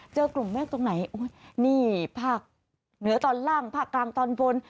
เจอกลุ่มเมฆตรงไหนนี่ภาคเหนือตอนล่างภาคกลางตอนบน